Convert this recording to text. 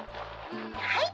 「はい。